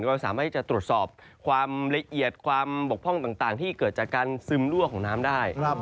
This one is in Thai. เราสามารถที่จะตรวจสอบความละเอียดความบกพร่องต่างที่เกิดจากการซึมรั่วของน้ำได้